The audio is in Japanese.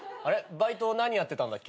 バイト何やってたんだっけ？